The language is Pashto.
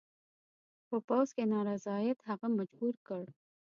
په پوځ کې نارضاییت هغه مجبور کړ.